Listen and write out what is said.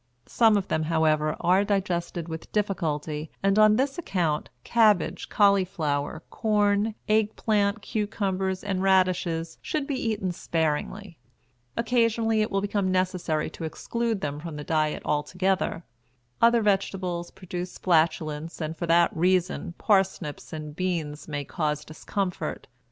Some of them, however, are digested with difficulty, and on this account cabbage, cauliflower, corn, egg plant, cucumbers, and radishes should be eaten sparingly. Occasionally it will be necessary to exclude them from the diet altogether. Other vegetables produce flatulence, and for that reason parsnips and beans may cause discomfort.